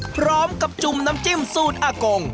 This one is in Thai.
พร้อมกับจุ่มน้ำจิ้มสูตรอักกง